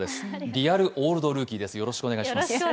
リアルオールドルーキーです。